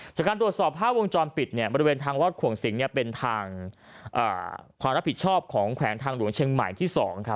จากการตรวจสอบภาพวงจรปิดบริเวณทางรอดขวงสิงเป็นทางความรับผิดชอบของแขวงทางหลวงเชียงใหม่ที่๒